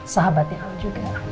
sahabatnya allah juga